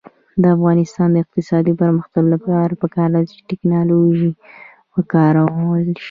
د افغانستان د اقتصادي پرمختګ لپاره پکار ده چې ټیکنالوژي وکارول شي.